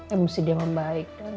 emosi dia membaikkan